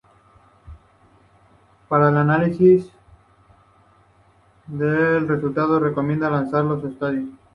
Para el análisis de resultados, se recomienda lanzar los estadísticos.